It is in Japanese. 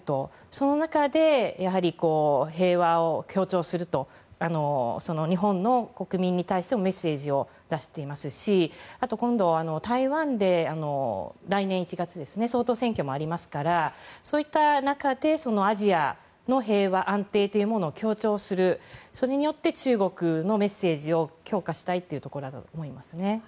その中で、平和を強調すると日本国民に対してもメッセージを出していますしあと今度、台湾で来年１月に総統選挙もありますからそういった中でアジアの平和、安定というものを強調するそれによって中国のメッセージを強化したいというところだと思います。